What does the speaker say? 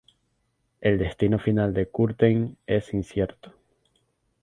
El destino final del Curtain es incierto.